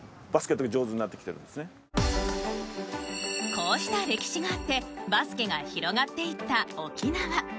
こうした歴史があってバスケが広がっていった沖縄。